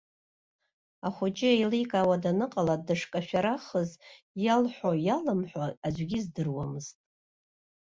Ахәыҷы еиликаауа даныҟала дышкашәарахыз иалҳәо иалымҳәо аӡәгьы издырамызт.